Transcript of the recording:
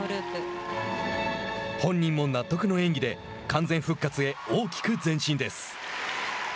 本人も納得の演技で完全復活へ大きく前進です。